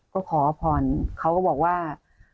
ก็ขออภัณฑ์เขาก็บอกว่า